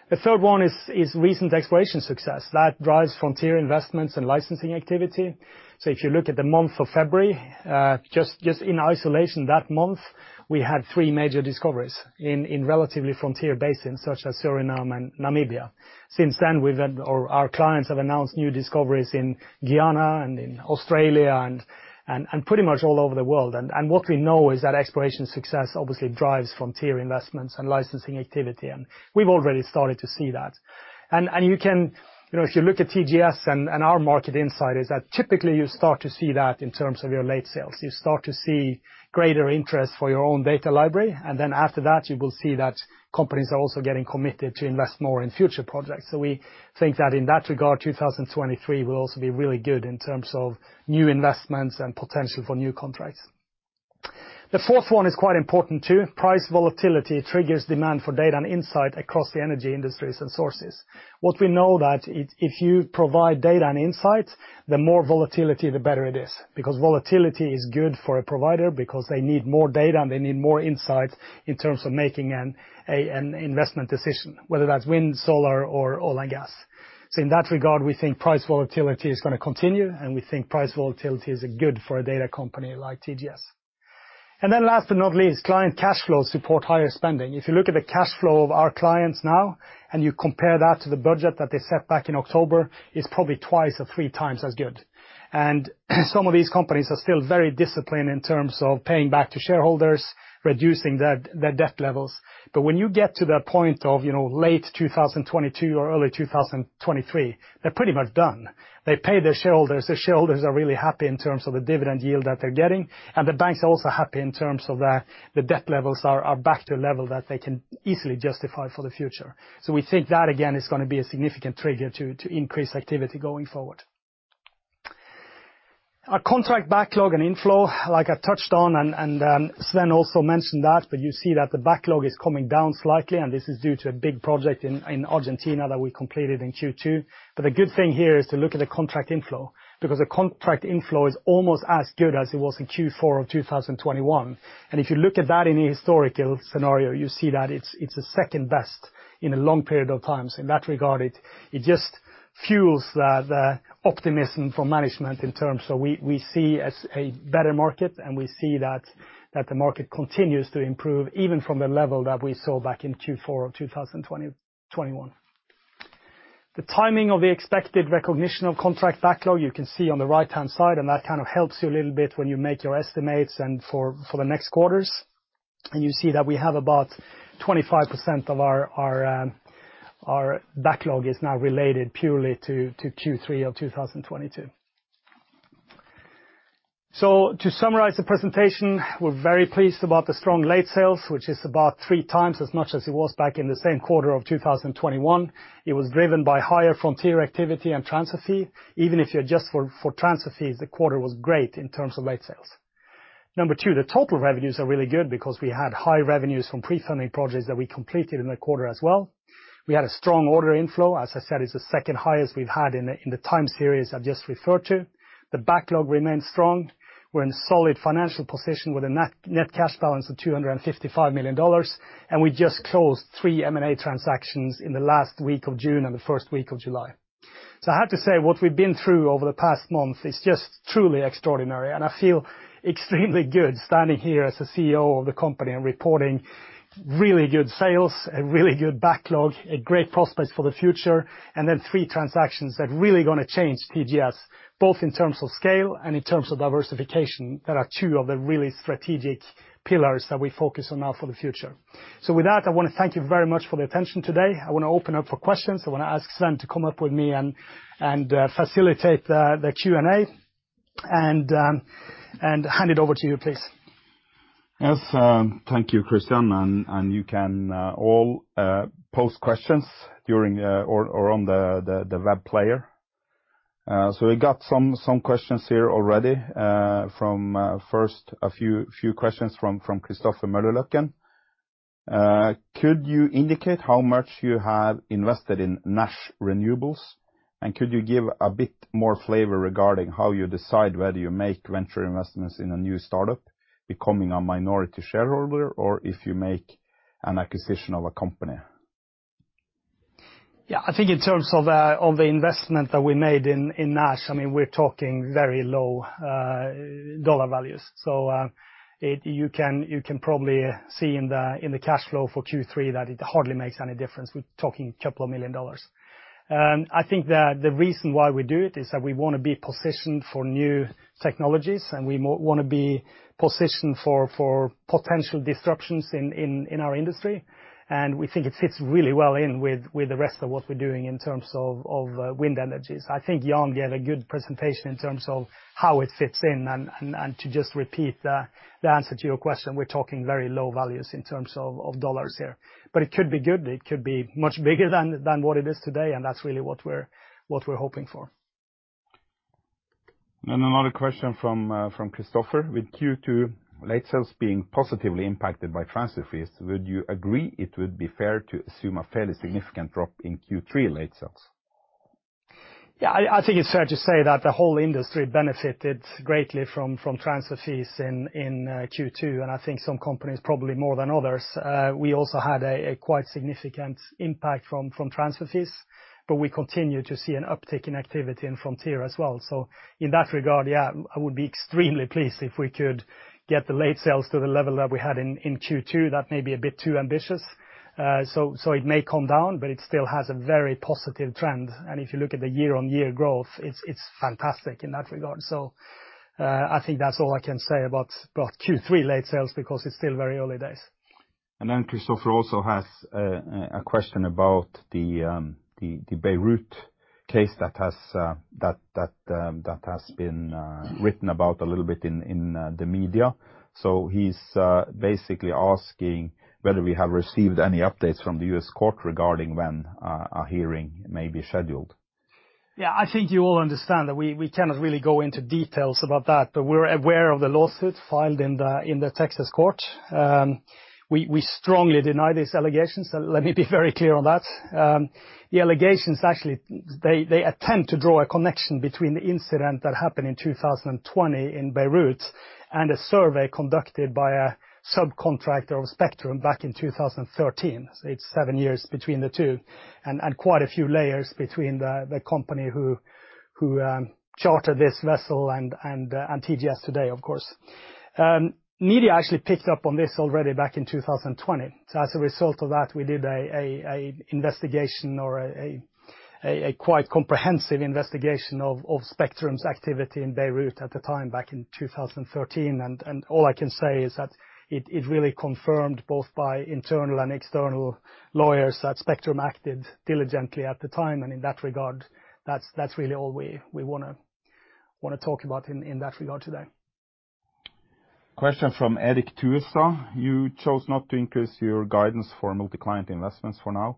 The third one is recent exploration success. That drives frontier investments and licensing activity. If you look at the month of February, just in isolation that month, we had three major discoveries in relatively frontier basins such as Suriname and Namibia. Since then, our clients have announced new discoveries in Guyana and in Australia and pretty much all over the world. What we know is that exploration success obviously drives frontier investments and licensing activity, and we've already started to see that. You know, if you look at TGS and our market insight is that typically you start to see that in terms of your lease sales. You start to see greater interest for your own data library, and then after that, you will see that companies are also getting committed to invest more in future projects. We think that in that regard, 2023 will also be really good in terms of new investments and potential for new contracts. The fourth one is quite important too. Price volatility triggers demand for data and insight across the energy industries and sources. What we know that if you provide data and insight, the more volatility, the better it is. Because volatility is good for a provider because they need more data and they need more insight in terms of making an investment decision, whether that's wind, solar or oil and gas. In that regard, we think price volatility is gonna continue, and we think price volatility is good for a data company like TGS. Last but not least, client cash flows support higher spending. If you look at the cash flow of our clients now and you compare that to the budget that they set back in October, it's probably twice or three times as good. Some of these companies are still very disciplined in terms of paying back to shareholders, reducing their debt levels. When you get to the point of, you know, late 2022 or early 2023, they're pretty much done. They pay their shareholders. The shareholders are really happy in terms of the dividend yield that they're getting. The banks are also happy in terms of the debt levels are back to a level that they can easily justify for the future. We think that again is gonna be a significant trigger to increase activity going forward. Our contract backlog and inflow, like I touched on and Sven also mentioned that, but you see that the backlog is coming down slightly, and this is due to a big project in Argentina that we completed in Q2. The good thing here is to look at the contract inflow, because the contract inflow is almost as good as it was in Q4 of 2021. If you look at that in a historical scenario, you see that it's the second best in a long period of time. In that regard, it just fuels the optimism for management in terms. We see as a better market, and we see that the market continues to improve even from the level that we saw back in Q4 of 2021. The timing of the expected recognition of contract backlog, you can see on the right-hand side, and that kind of helps you a little bit when you make your estimates and for the next quarters. You see that we have about 25% of our backlog is now related purely to Q3 of 2022. To summarize the presentation, we're very pleased about the strong late sales, which is about three times as much as it was back in the same quarter of 2021. It was driven by higher frontier activity and transfer fee. Even if you adjust for transfer fees, the quarter was great in terms of late sales. Number two, the total revenues are really good because we had high revenues from pre-funding projects that we completed in the quarter as well. We had a strong order inflow. As I said, it's the second highest we've had in the time series I've just referred to. The backlog remains strong. We're in a solid financial position with a net cash balance of $255 million. We just closed three M&A transactions in the last week of June and the first week of July. I have to say, what we've been through over the past month is just truly extraordinary, and I feel extremely good standing here as the CEO of the company and reporting really good sales and really good backlog, a great prospect for the future, and then three transactions that really gonna change TGS, both in terms of scale and in terms of diversification. That are two of the really strategic pillars that we focus on now for the future. With that, I wanna thank you very much for the attention today. I wanna open up for questions. I wanna ask Sven to come up with me and facilitate the Q&A and hand it over to you, please. Yes, thank you, Kristian. You can all pose questions during or on the web player. We got some questions here already from first, a few questions from Christopher Møllerløkken. Could you indicate how much you have invested in Nash Renewables? And could you give a bit more flavor regarding how you decide whether you make venture investments in a new startup becoming a minority shareholder, or if you make an acquisition of a company? Yeah. I think in terms of the investment that we made in Nash, I mean, we're talking very low dollar values. You can probably see in the cash flow for Q3 that it hardly makes any difference. We're talking a couple of million dollars. I think that the reason why we do it is that we wanna be positioned for new technologies, and we wanna be positioned for potential disruptions in our industry. We think it fits really well in with the rest of what we're doing in terms of wind energies. I think Jan gave a good presentation in terms of how it fits in. To just repeat the answer to your question, we're talking very low values in terms of dollars here. It could be good. It could be much bigger than what it is today, and that's really what we're hoping for. Another question from Christopher. With Q2 late sales being positively impacted by transfer fees, would you agree it would be fair to assume a fairly significant drop in Q3 late sales? Yeah. I think it's fair to say that the whole industry benefited greatly from transfer fees in Q2, and I think some companies probably more than others. We also had a quite significant impact from transfer fees, but we continue to see an uptick in activity in Frontier as well. In that regard, I would be extremely pleased if we could get the late sales to the level that we had in Q2. That may be a bit too ambitious. It may come down, but it still has a very positive trend. If you look at the year-on-year growth, it's fantastic in that regard. I think that's all I can say about Q3 late sales because it's still very early days. Christopher also has a question about the Beirut case that has been written about a little bit in the media. He's basically asking whether we have received any updates from the U.S. Court regarding when a hearing may be scheduled. Yeah. I think you all understand that we cannot really go into details about that, but we're aware of the lawsuit filed in the Texas court. We strongly deny these allegations. Let me be very clear on that. The allegations, actually, they attempt to draw a connection between the incident that happened in 2020 in Beirut and a survey conducted by a subcontractor of Spectrum back in 2013. It's seven years between the two and quite a few layers between the company who chartered this vessel and TGS today, of course. Media actually picked up on this already back in 2020. As a result of that, we did a quite comprehensive investigation of Spectrum's activity in Beirut at the time back in 2013. All I can say is that it really confirmed both by internal and external lawyers that Spectrum acted diligently at the time. In that regard, that's really all we wanna talk about in that regard today. Question from Erik Tveit. You chose not to increase your guidance for multi-client investments for now,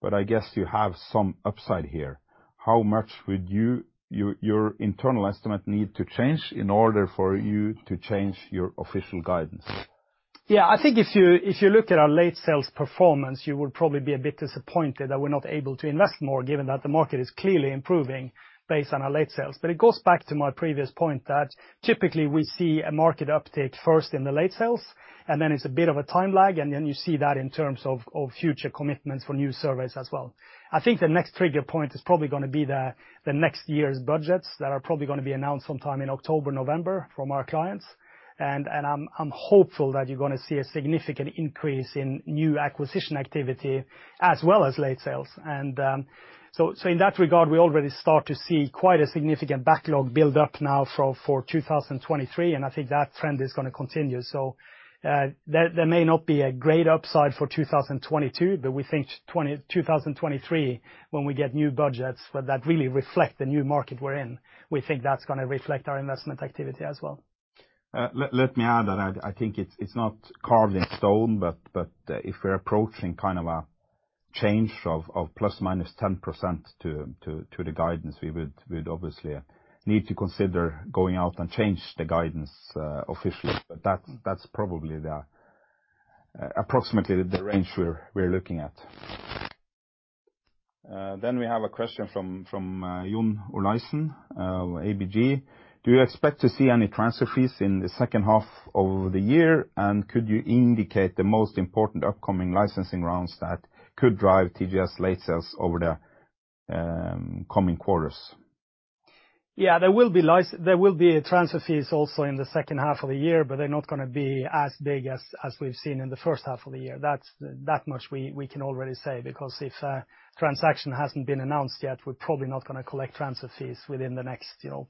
but I guess you have some upside here. How much would you, your internal estimate need to change in order for you to change your official guidance? Yeah. I think if you look at our late sales performance, you would probably be a bit disappointed that we're not able to invest more given that the market is clearly improving based on our late sales. But it goes back to my previous point that typically we see a market uptake first in the late sales, and then it's a bit of a time lag, and then you see that in terms of future commitments for new surveys as well. I think the next trigger point is probably gonna be the next year's budgets that are probably gonna be announced sometime in October, November from our clients. I'm hopeful that you're gonna see a significant increase in new acquisition activity as well as late sales. in that regard, we already start to see quite a significant backlog build up now for 2023, and I think that trend is gonna continue. there may not be a great upside for 2022, but we think 2023, when we get new budgets that really reflect the new market we're in, we think that's gonna reflect our investment activity as well. Let me add that I think it's not carved in stone, but if we're approaching kind of a change of ±10% to the guidance, we'd obviously need to consider going out and change the guidance officially. That's probably approximately the range we're looking at. Then we have a question from John Olaisen of ABG. Do you expect to see any transfer fees in the second half of the year? And could you indicate the most important upcoming licensing rounds that could drive TGS lease sales over the coming quarters? Yeah, there will be transfer fees also in the second half of the year, but they're not gonna be as big as we've seen in the first half of the year. That's that much we can already say because if a transaction hasn't been announced yet, we're probably not gonna collect transfer fees within the next, you know,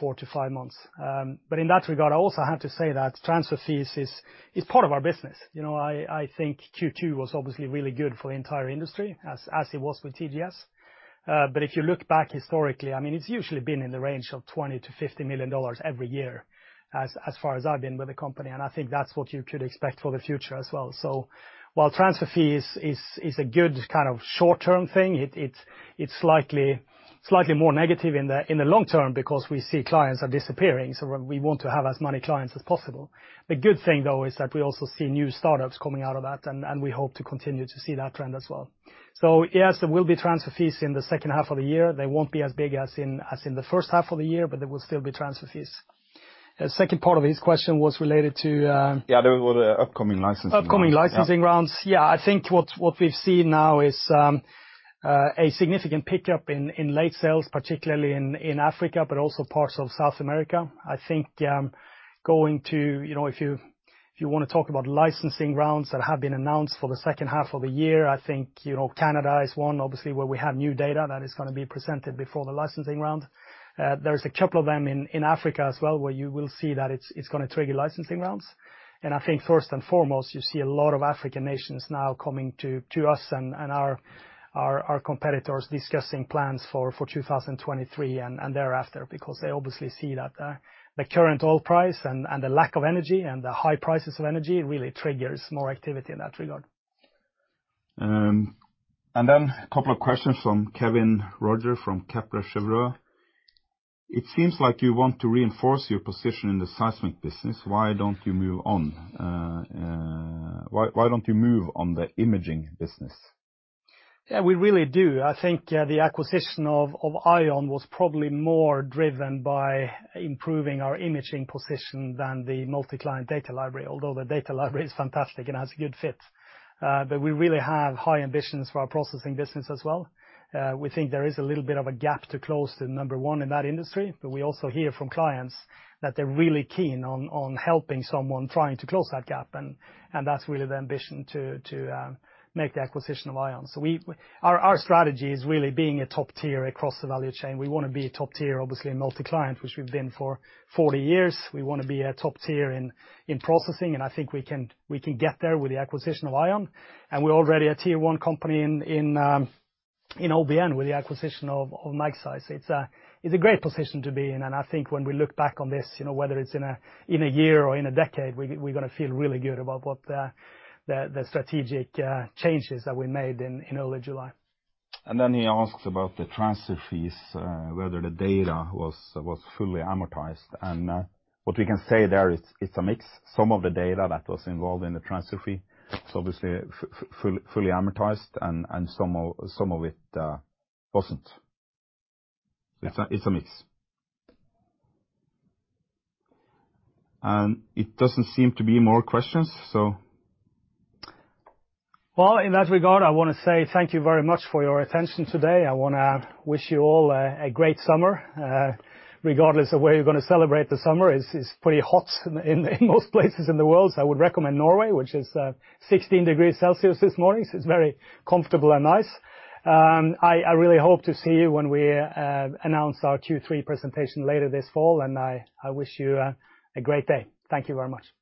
four to five months. In that regard, I also have to say that transfer fees is part of our business. You know, I think Q2 was obviously really good for the entire industry as it was with TGS. If you look back historically, I mean, it's usually been in the range of $20 million-$50 million every year as far as I've been with the company, and I think that's what you should expect for the future as well. While transfer fees is a good kind of short-term thing, it's slightly more negative in the long term because we see clients are disappearing, so we want to have as many clients as possible. The good thing, though, is that we also see new startups coming out of that, and we hope to continue to see that trend as well. Yes, there will be transfer fees in the second half of the year. They won't be as big as in the first half of the year, but there will still be transfer fees. The second part of his question was related to. Yeah, there were the upcoming licensing rounds. Upcoming licensing rounds. Yeah. I think what we've seen now is a significant pickup in lease sales, particularly in Africa, but also parts of South America. I think, you know, if you wanna talk about licensing rounds that have been announced for the second half of the year, I think, you know, Canada is one, obviously, where we have new data that is gonna be presented before the licensing round. There is a couple of them in Africa as well, where you will see that it's gonna trigger licensing rounds. I think first and foremost, you see a lot of African nations now coming to us and our competitors discussing plans for 2023 and thereafter because they obviously see that the current oil price and the lack of energy and the high prices of energy really triggers more activity in that regard. A couple of questions from Kevin Roger from Kepler Cheuvreux. It seems like you want to reinforce your position in the seismic business. Why don't you move on? Why don't you move on the imaging business? Yeah, we really do. I think the acquisition of ION was probably more driven by improving our imaging position than the multi-client data library, although the data library is fantastic and has a good fit. But we really have high ambitions for our processing business as well. We think there is a little bit of a gap to close to number one in that industry, but we also hear from clients that they're really keen on helping someone trying to close that gap. That's really the ambition to make the acquisition of ION. Our strategy is really being a top tier across the value chain. We wanna be a top tier, obviously, in multi-client, which we've been for 40 years. We wanna be a top tier in processing, and I think we can get there with the acquisition of ION. We're already a tier one company in OBN with the acquisition of Magseis. It's a great position to be in, and I think when we look back on this, you know, whether it's in a year or in a decade, we're gonna feel really good about what the strategic changes that we made in early July. Then he asks about the transfer fees, whether the data was fully amortized. What we can say there is it's a mix. Some of the data that was involved in the transfer fee is obviously fully amortized and some of it wasn't. Yeah. It's a mix. It doesn't seem to be more questions, so. Well, in that regard, I wanna say thank you very much for your attention today. I wanna wish you all a great summer, regardless of where you're gonna celebrate the summer. It's pretty hot in most places in the world. I would recommend Norway, which is 16 degrees Celsius this morning, so it's very comfortable and nice. I really hope to see you when we announce our Q3 presentation later this fall, and I wish you a great day. Thank you very much.